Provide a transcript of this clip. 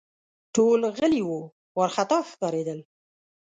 ټول غلي وه ، وارخطا ښکارېدل